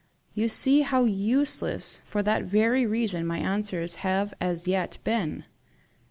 You see how useless, for that very reason, my answers have as yet been!